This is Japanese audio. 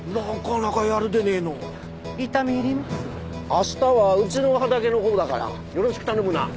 明日はうちの畑のほうだからよろしく頼むな。